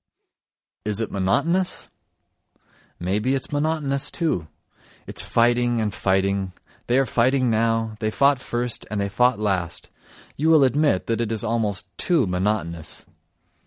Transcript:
Is it monotonous? May be it's monotonous too: it's fighting and fighting; they are fighting now, they fought first and they fought last—you will admit, that it is almost too monotonous.